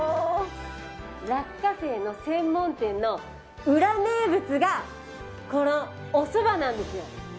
落花生の専門店のウラ名物がこのおそばなんですよ。